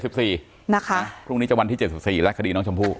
พรุ่งนี้จะวันที่๗๔และคดีน้องชมพู่